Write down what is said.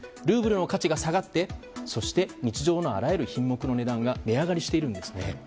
ルーブルの価値が下がって日常のあらゆる品目の値段が値上がりしているんですね。